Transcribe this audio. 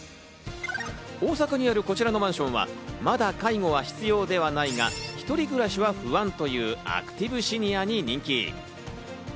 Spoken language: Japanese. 大阪にあるこちらのマンションはまだ介護は必要ではないが、一人暮らしは不安というアクティブシニアに人気。